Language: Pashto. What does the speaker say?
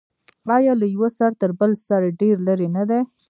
آیا له یوه سر تر بل سر ډیر لرې نه دی؟